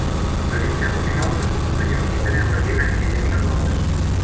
Ӧлицӓ покшалны мӹньӹм итӹрӓ выргемӓн эдем шагалтыш.